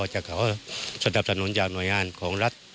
จะขอสดับสนุนจากหนวงงานของรัฐ